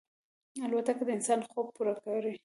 الوتکه د انسان خوب پوره کړی.